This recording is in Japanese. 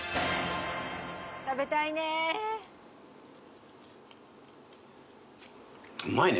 食べたいねうまいね